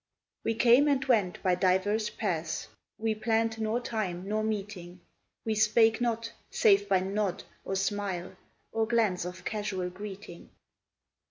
We came and went by divers paths ; We planned nor time, nor meeting ; We spake not, save by nod, or smile, Or glance of casual greeting.